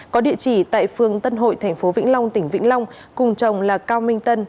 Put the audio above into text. có địa chỉ tại phường tân hội tp vĩnh long tỉnh vĩnh long cùng chồng là cao minh tân